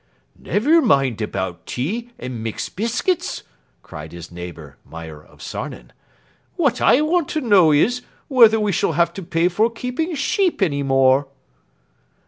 "Never mind about tea and mixed biscuits!" cried his neighbour, Meier of Sarnen. "What I want to know is whether we shall have to pay for keeping sheep any more."